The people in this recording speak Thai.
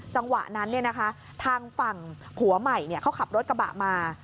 จังหวะนั้นเนี่ยนะคะทางฝั่งผัวใหม่เนี่ยเขาขับรถกระบะมา